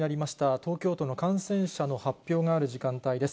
東京都の感染者の発表がある時間帯です。